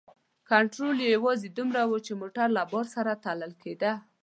کنترول یې یوازې همدومره و چې موټر له بار سره تلل کیده.